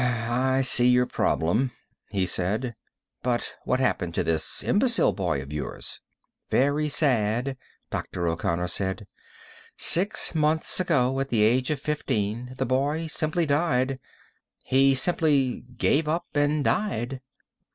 "I see your problem," he said. "But what happened to this imbecile boy of yours?" "Very sad," Dr. O'Connor said. "Six months ago, at the age of fifteen, the boy simply died. He simply gave up, and died."